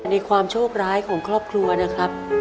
ในความโชคร้ายของครอบครัวนะครับ